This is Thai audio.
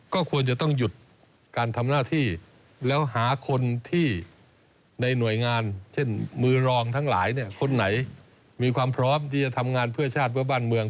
ก็ควรจะต้องหยุดการทำหน้าที่แล้วหาคนที่ในหน่วยงานเช่นมือรองทั้งหลายคนไหนมีความพร้อมที่จะทำงานเพื่อชาติเพื่อบ้านเมือง